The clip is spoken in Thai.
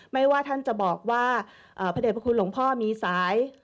ไม่ว่าท่านจะบอกว่าพระเด็จพระคุณหลวงพ่อมีสาย